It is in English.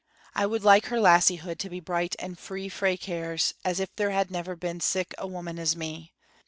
I would like her lassiehood to be bright and free frae cares, as if there had never been sic a woman as me.